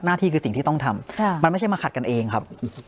หน้าที่คือสิ่งที่ต้องทำมันไม่ใช่มาขัดกันเองครับ